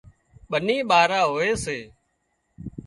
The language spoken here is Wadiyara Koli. ٻني ٻارا هوئي سي